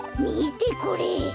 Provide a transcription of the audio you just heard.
みてこれ！